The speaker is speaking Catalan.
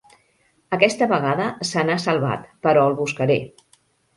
Aquesta vegada se n'ha salvat, però el buscaré.